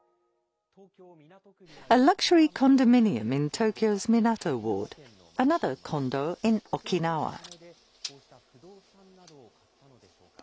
不正に得た金でこうした不動産などを買ったのでしょうか。